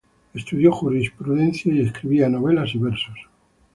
Estudió jurisprudencia y escribía novelas y versos.